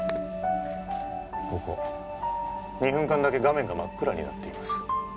ここ２分間だけ画面が真っ暗になっています